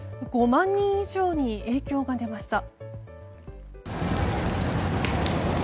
５万人以上に影響が出ました。